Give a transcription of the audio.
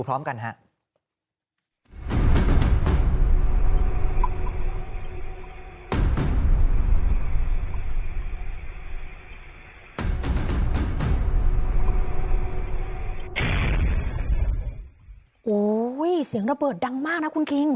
โอ้โหเสียงระเบิดดังมากนะคุณคิง